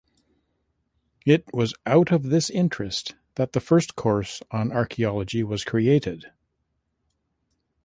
It was out of this interest that the first course on archaeology was created.